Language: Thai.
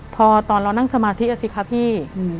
พอตอนเรานั่งสมาธิอ่ะสิคะพี่